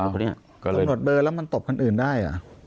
ก็โดนตำรวจเบอร์แล้วมันตบคนอื่นได้